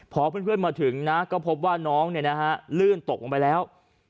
พอเพื่อนมาถึงนะก็พบว่าน้องลื่นตกลงไปแล้ว